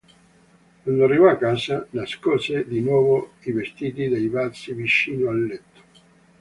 Quando arrivò a casa, nascose di nuovo i vestiti nei vasi vicino al letto.